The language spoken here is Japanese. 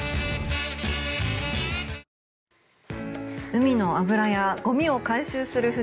海の油やゴミを回収する船